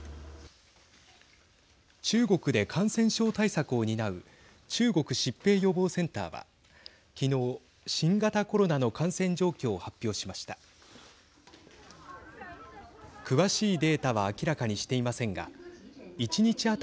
中国で感染症対策を担う中国疾病予防センターは昨日、新型コロナの感染状況を発表しました。